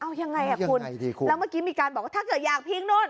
เอายังไงอ่ะคุณแล้วเมื่อกี้มีการบอกว่าถ้าเกิดอยากพิงนู่น